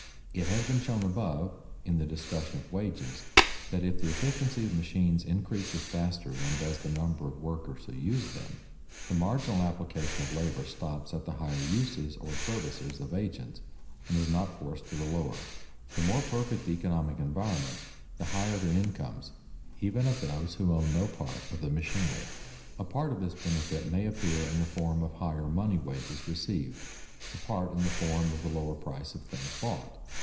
_ It has been shown above, in the discussion of wages, that if the efficiency of machines increases faster than does the number of workers who use them, the marginal application of labor stops at the higher uses or services of agents and is not forced to the lower. The more perfect the economic environment, the higher the incomes even of those who own no part of the machinery. A part of this benefit may appear in the form of higher money wages received, a part in the form of the lower price of things bought.